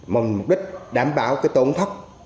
mong mục đích đảm bảo cái tổn thất